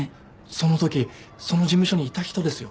そのときその事務所にいた人ですよ。